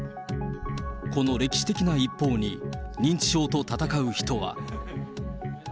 この歴史的な一方に、認知症と闘う人は。